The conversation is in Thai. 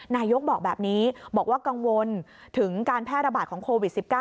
นายกบอกแบบนี้บอกว่ากังวลถึงการแพร่ระบาดของโควิด๑๙